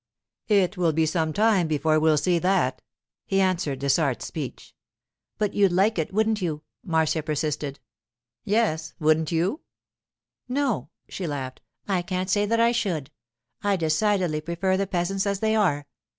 'It will be some time before we'll see that,' he answered Dessart's speech. 'But you'd like it, wouldn't you?' Marcia persisted. 'Yes; wouldn't you?' 'No,' she laughed, 'I can't say that I should! I decidedly prefer the peasants as they are.